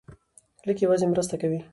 لیک یوازې مرسته کوي.